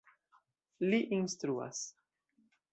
Li instruas.